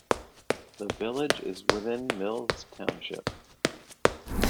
The village is within Mills Township.